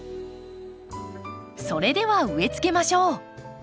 それでは植えつけましょう。